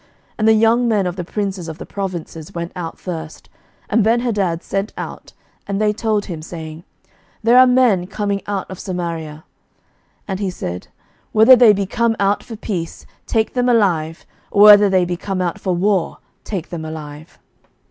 11:020:017 And the young men of the princes of the provinces went out first; and Benhadad sent out, and they told him, saying, There are men come out of Samaria. 11:020:018 And he said, Whether they be come out for peace, take them alive; or whether they be come out for war, take them alive.